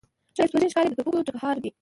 ته ښایست وژنې ښکارې یې د توپکو ټکهار یې